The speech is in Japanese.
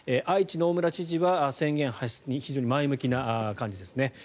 愛知の大村知事は宣言発出に非常に前向きな感じですね。